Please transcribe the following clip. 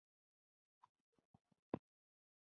د کارایوس او کیورانډي خلکو جبري کار ته غاړه کې نه ایښوده.